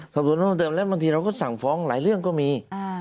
สำนวนเพิ่มเติมแล้วบางทีเราก็สั่งฟ้องหลายเรื่องก็มี